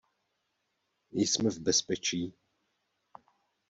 Jsme v bezpečí.